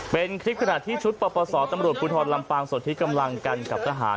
เป็นคลิปขณะที่ชุดประปาศาสตร์ตำรวจกุณฑรรณลำปางสถิตย์กำลังกันกับทหาร